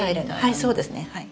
はいそうですねはい。